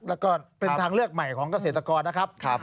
แล้วก็เป็นทางเลือกใหม่ของเกษตรกรนะครับ